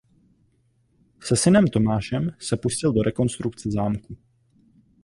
Se synem Tomášem se pustil do rekonstrukce zámku.